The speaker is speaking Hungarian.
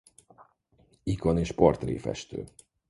Ikon- és portréfestő.